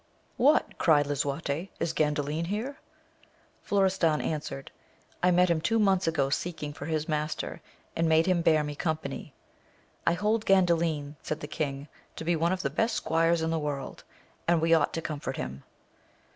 What ! cried Lisuarte, is Gandalin here? Florestan answered, I met him two months ago seeking for his master, and made him bear me company. I hold Gandalin, said the king, to be one of the best squires in the world, and we ought to comfort him.